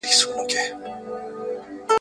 څېړنه کول د هر چا کار نه دی.